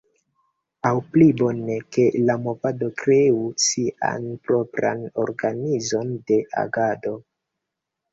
Aŭ pli bone, ke la movado kreu sian propran organizon de agado.